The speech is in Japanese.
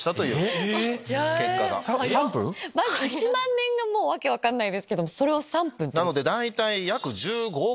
まず１万年が訳分かんないけどそれを３分。